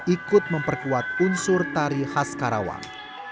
ikut memperkuat unsur tari khas karawang